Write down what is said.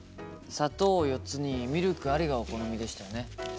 砂糖４つにミルクありがお好みでしたよね？